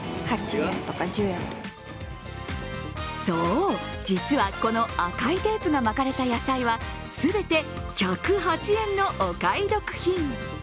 そう、実はこの赤いテープが巻かれた野菜は全て１０８円のお買い得品。